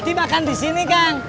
tadi makan disini kong